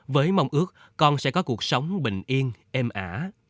với mong ước con sẽ có cuộc sống bình yên ả